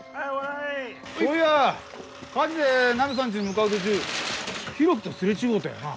そういや火事でナミさんちに向かう途中浩喜とすれ違うたよな？